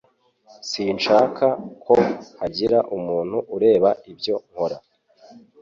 Sinshaka ko hagira umuntu ureba ibyo nkora